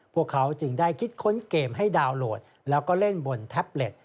พวกเขาจึงได้คิดค้นเกมให้ดาวน์โหลดแล้วก็เล่นบนแท็บเล็ต